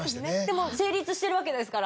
でも成立してるわけですから。